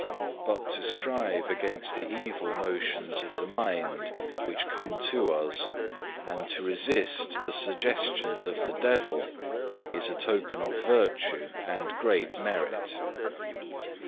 But to strive against the evil motions of the mind which come to us, and to resist the suggestions of the devil, is a token of virtue and great merit.